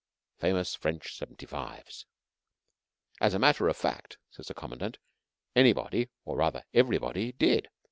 FAMOUS FRENCH 75's "As a matter of fact," says a commandant, "anybody or, rather, everybody did.